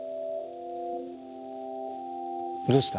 どうした？